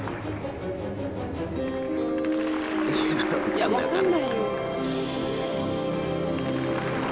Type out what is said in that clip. いや分かんないよ。